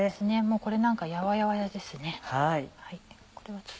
これなんかやわやわですね。